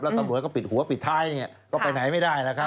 แล้วตำรวจก็ปิดหัวปิดท้ายนะค่ะก็ไปไหนไม่ได้นะค่ะ